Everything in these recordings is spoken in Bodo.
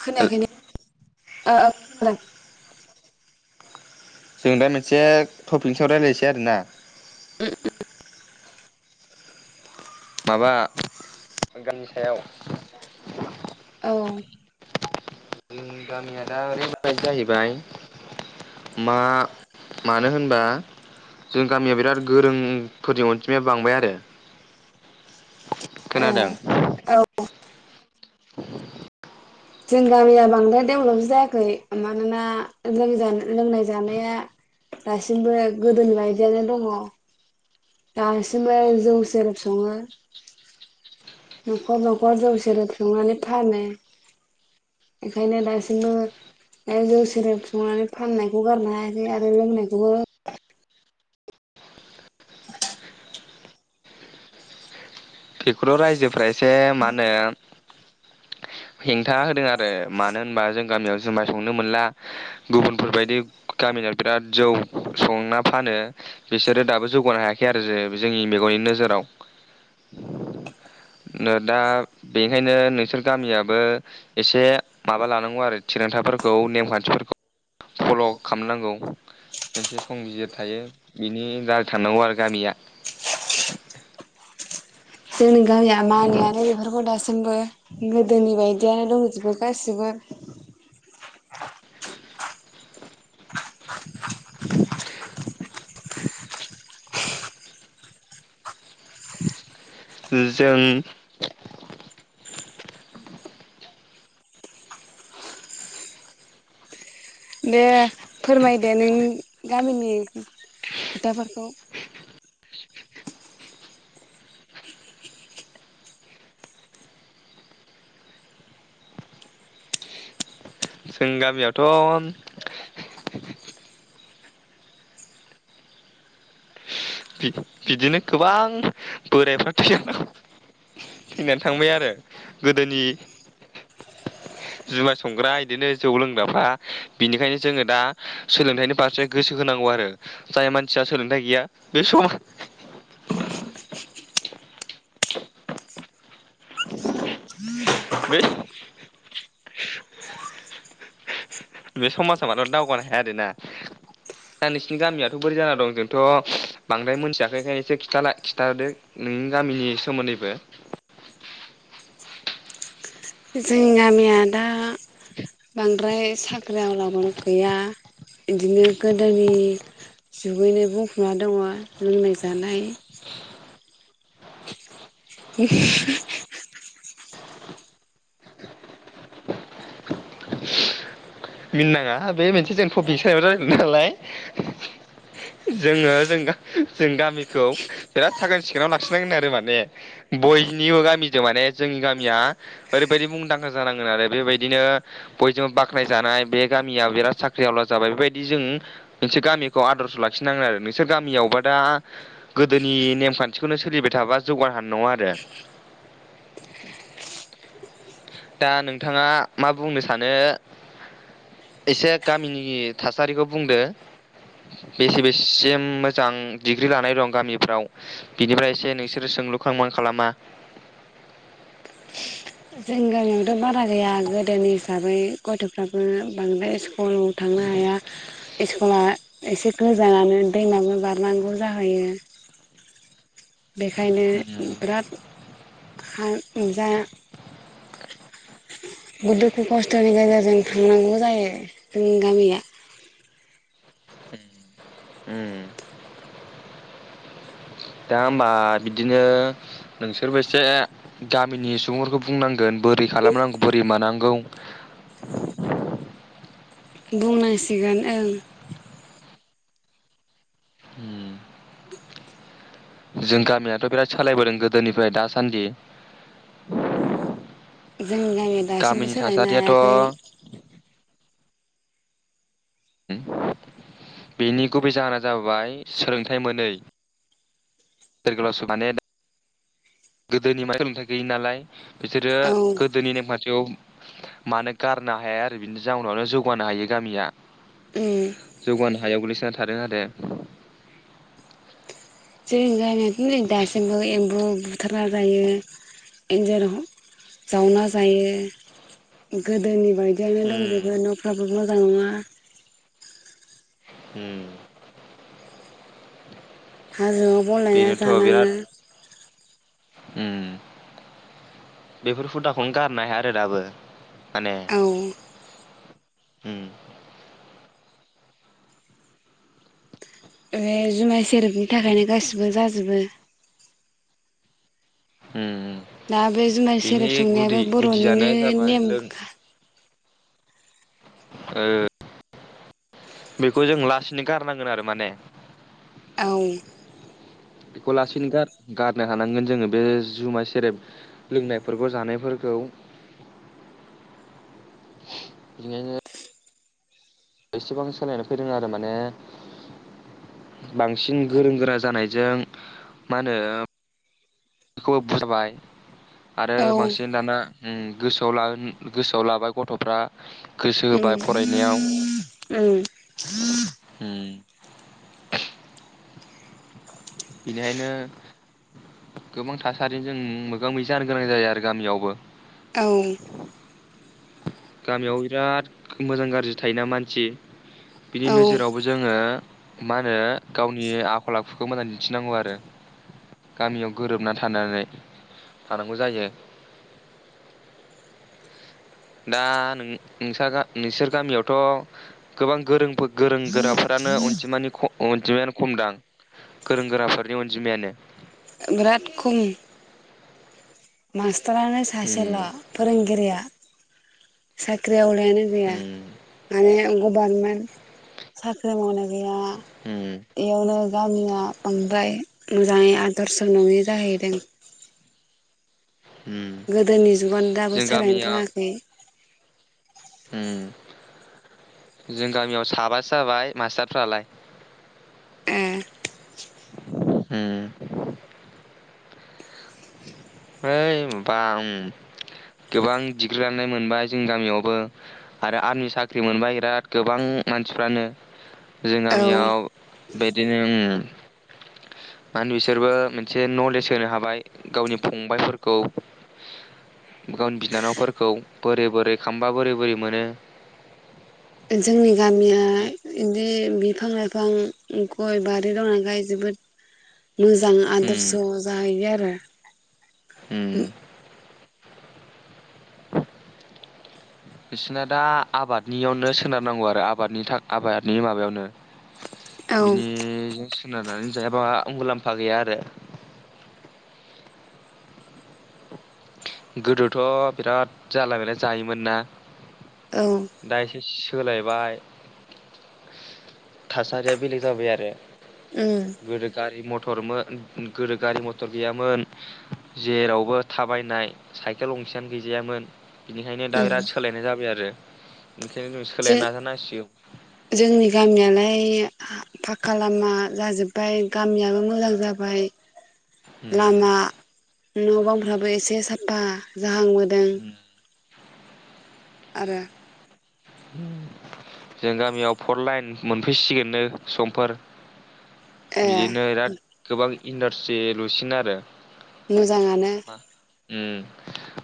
खोनायाखैनो ओ ओ जों दा मोनसे टपिक सायाव रायज्लायसै आरोना माबा गाननि सायाव औ जोंनि गामिया दा ओरै बादि जाहैबाय मा मानो होनबा जोंनि गामिया बिराद गोरोंफोरनि अनजिमाया बांबाय आरो ए खोनादों औ जों गामिया बांद्राय डेभलप जायाखै मानोना लोंजा लोंनाय जानाया दासिमबो गोदोनि बायदियानो दङ दासिमबो जौ सेरेब सङो न'खर न'खर जौ सेरेब संनानै फानो बेखायनो दासिमबो जौ सेरेब संनानै फाननायखौ गारनो हायाखै आरो लोंनायखौबो बेखौथ' रायजोफ्रा एसे मा होनो हेंथा होदों आरो मानो होनबा जों गामियाव जुमाय संनो मोनला गुबुनफोरबायायदि गामिनियाव बिराद जौ संना फानो बिसोरो दाबो जौगानो हायाखै आरो जे जोंनि मेगननि नोजोराव दा बेनिखायनो नोंसोर गामियाबो एसे माबा लानांगौ आरो थिरांथाफोरखौ नेमखानथिफोरखौ फल' खालामनांगौ मोनसे संबिजिर थायो बिनि दारै थांनांगौ आरो गामिया जोंनि गामिया मानियानो बेफोरखौ दासिमबो गोदोनि बायदियानो दंजोबो गासिबो [inaudible] [inaudible] जों दे फोरमायदे नों गामिनि खोथाफोरखौ जों गामियावथ' बिदिनो गोबां बोरायफ्रा थै थैनानै थांबाय आरो गोदोनि जुमाय संग्रा इदिनो जौ लोंग्राफ्रा बिनिखायनो जोङो दा सोलोंथाइनि फारसे गोसो होनांगौ आरो जाय मानसिया सोलोंथाइ गैया बे सम बे बे समाजा मानो दावगानो हाया आरोना दा नोंसिनि गामियाथ' बोरै जाना दं जोंथ' बांद्राय मोनथियाखै खाय एसे खिथा लाय खिनथादो नोंनि गामिनि सोमोनदैबो जोंनि गामिया दा बांद्राय साख्रिआवलाबो गैया इदिनो गोदोनि जुगैनो बुंफबना दङ लोंनाय जानाय [inaudible] मिनिनाङा बे मोनसे जों टपिक सायाव रायलयदों नालाय जोङो जों जों गामिखौ बिराद साखोन सिखोनाव लाखिनांगोन आरो माने बयनिबो गामिजों माने जोंनि गामिया ओरैबायदि मुंदांखा जानांगोन आरो बेबायदिनो बयजोंबो बाखानाय जानाय बे गामिया बिराद साख्रि आवला जाबाय बेबायदि जों मोनसे गामिखौ आदर्श' लाखिनांगोन आरो नोंसोर गामियावबा दा गोदोनि नेमखानथिखौनो सोलिबाय थाबा जौगा हानाय नङा आरो दा नोंथाङा मा बुंनो सानो एसे गामिनि थासारिखौ बुंदो बेसे बेसिम मोजां डिग्रि लानाय दं गामिफ्राव बिनिफ्राय एसे नोंसोरो सोंलुखौ खालामोना खालामा जोंनि गामियावथ' बारा गैया गोदोनि हिसाबै गथ'फ्राबो बांद्राय स्कु लाव थांनो हाया स्कुला एसे गोजानानो दैमाबो बारनांगौ जाहैयो बेखायनो उम बिराद खा जा गोदोथ' खस्थ'नि गेजेरजों थांनांगौ जायो जोंनि गामिया उम उम दा होनबा बिदिनो नोंसोरबो एसे गामिनि सुबुंफोरखौ बुंनांगोन बोरै खालामनांगौ बोरै मानांगौ बुंनांसिगोन ओं उम जों गामियाथ' बिराद सालायबोदों गोदोनिफ्राय दासानदि जोंनि गामियाव दासिमबो सोलायनो हायाखै उ बेनि गुबै जाहोना जाबाय सोलोंथाइ मोनै [unintelligible] माने गोदोनि माने सोलोंथाइ गैयि नालाय बिसोरो औ गोदोनि नेमखानथिखौ मानो गारनो हाया आरो बिनि जाउनावनो जौगानो हायो गामिया जौगानो उम हायाव गोग्लैसोनानै थादों आरो [unintelligible] दासिमबो एम्बु बुथार ना जायो एनजर हम जावना जायो गोदोनि बायदियानो उम दंजोबो न'फ्राबो मो जां‌ नङा होम हाजोआव बन लायना जानाङो ओम बेफोर हुदाखौनो गारनो हाया आरो दाबो माने औ ओम बे जुमाय सेरपनि थाखायनो गासिबो जाजोब जोबो उम दा बे जुमाइ बिनि सेरेब गुदि संनायाबो गुदियानो बर'निनो जाबाय लों नेमखा ओ बेखौ जों लासैनो गारनांगोन आरो माने औ बेखौ लासैनो गार गारनो हानांगोन जोङो बे जुमाय सेरेब लोंनायफोरखौ जानायफोरखौ इनो एसेबां सोलायनो फैदों आरो माने बांसिन गोरों गोरा जानायजों मा होनो बेखौबो बुजायबाय आरो औ बांसिन दाना ओम गोसोआव गोसोआव लाबाय गथ'फ्रा गोसो होबाय फरायनायाव उम उम उम बेनिखायनो गोबां थासारिजों जों मोगा मोगि जानो गोनां जायो आरो गामियावबो औ गामियाव बिराद मोजां गाज्रि थायोना मानसि बिनि औ नोजोरावबो जोङो मा होनो गावनि आखल आखुखौ मोजां दिन्थिनांगौ आरो गामियाव गोरोबनानै थानानै थानांगौ जायो दा नों नोंसा नोंसोर गामियावथ' गोबां गोरोंफोर गोरों गोराफोरानो अनजिमानि खम अनजिमायानो खमदां गोरों गोराफोरनि अनजिमायानो बिराद खम मास थानानै सासेल' उम फोरोंगिरिया साख्रि ओं मानो गैया उम माने गभारमेन साख्रि जों मावना‌ जा नाया उम इयावनो गामिया बांद्राय मोजाङै आदर्श फोर नङि जाहैदों उम गोदोनि जुगानो दाबो जों सोलायनो रोङाखै ओम जों गामियाव साबासो जाबाय मास्टारफ्रालाय ओ हम ओइ माबा ओं गोबां डिग्रि लानाय मोनबाय जोंनि गामियावबो आरो आरमि साख्रि मोनबाय इराद गोबां मानसिफ्रानो जों औ गामियाव बिदिनो ओम मानो बिसोरबो मोनसे नलेज होनो हाबाय गावनि फंबाइफोरखौ गावनि बिनानावफोरखौ बोरै बोरै खामबा बोरै बोरै मोनो जोंनि गामिया बिदि बिदि बिफां लाइफां गय बारि दंनालाय जोबोद मोजां उम आदर्श' जाहैयो आरो [unintelligible] उम बिसना दा आबादनियावनो सोनारनांगौ आरो आबादनि था आबादनि माबायावनो औ बिनिजों सोनारनानै जायाबा मुलाम्फा गैया आरो गोदोथ' बिराद जानला मोनला जायोमोन ना औ दा एसे सोलायबाय थासारिया बेलेग जाबाय आरो ओम गोदो गारि मथरमोन गोदो गारि मथर गैयामोन जेरावबो थाबायनाय साइकेल गंसेयानो गैजायामोन बिनिखायनो दा उम इराद सोलायनाय जाबाय आरो रो बेखायनो जों जो सोलायनो नाजानांसिगौ बिदि फाक्का लामा जाजोब्बाय गामियाबो मोजां जाबाय उम लामा न' बांफ्राबो एसे साफा बा जाहां मो उम आरो जों गामियाव फर लाइन मोनफैसिगोननो समफोर ए बिदिनो इराद गोबां इन्डासट्रि लुसिन आरो मोजा‌ं‌ आनो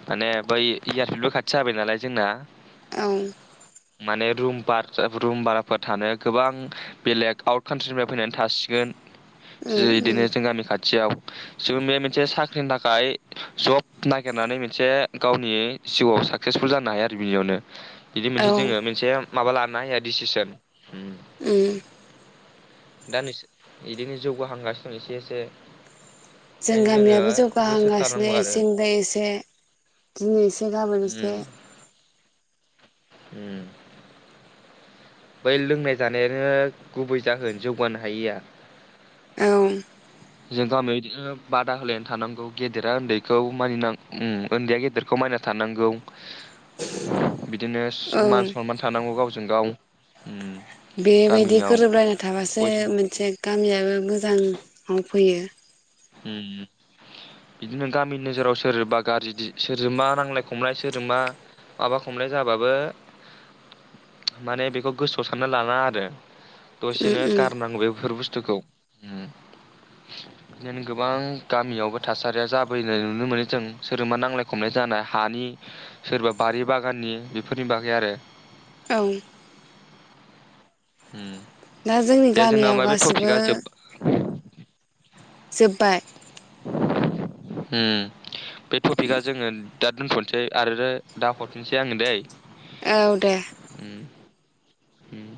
माने बै इयारफिलबो खाथि जाबाय नालाय जोंना औ माने रुम बार रुम भाराफोर थानो गोबां बेलेग आउट कान्ट्रिनिफ्राय फैनानै थासिगोन गोन जों उम बिदिनो जों गामि खाथि खाथियाव जों बे मोनसे साख्रिनि थाखाय जब नागिरनानै मोनसे गावनि जिउआव साक्सेसफुल जानो हाया आरो बिनियावनो बिदि औ मोनसे जोङो मोनसे माबा लानो हाया डिसिसन उम दा नों बिदिनो जौगाहांगासिनो एसे एसे जों ओंखायनो गामियाबो जोङो जौगाहांगासिनो गोसोथारनांगौ आरो एसेनिफाय एसे दिनै एसे गाबोन एसे उम उम बै लोंनाय जानायानो गुबै जाहोन जौगानो हायिया औ जों गामियाव बिदिनो बादा होलायना थानांगौ गेदेरा उन्दैखौ मानिनां उम उन्दैया गेदेरखौ मानिना थानांगौ बिदिनो औ मान सनमान थानांगौ गावजों गाव उम बेबायदि गामियाव गोरोबलायना थाबासो बयजोंबो मोनसे गामियाबो गोजानाव फैयो उम बिदिनो गामि नोजोराव सोरबा गाज्रि सोरजोंबा नांलाय खमलाय सोरजोंबा माबा खमलाय जाबाबो माने बेखौ गोसोआव सानना लाना आरो उम दसेनो उम गारनांगौ बेफोर बुस्थु खौ उम बिदिनो गोबां गामियावबो थासारिया जाबोनाय नुनो मोनो जों सोरबा नांलाय खमलाय जानाय हानि सोरबा बारि बागाननि बेफोरनि बागै आरो औ उम दा जोंनि गामियाव गासिबो जोब जोबबाय उम बे टपिकआ जोङो दा दोनथ'नोसै आरो दा हरफिनसै आङो दै औ दे उम उम